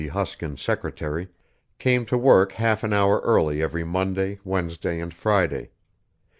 Hoskins' secretary, came to work half an hour early every Monday, Wednesday, and Friday.